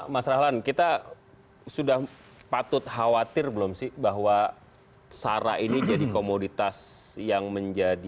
mas rahlan kita sudah patut khawatir belum sih bahwa sarah ini jadi komoditas yang menjadi